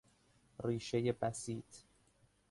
ریشهی بسیط